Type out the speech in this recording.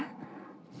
sama bagi pdi pernama